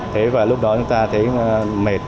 thế và lúc đó chúng ta thấy mệt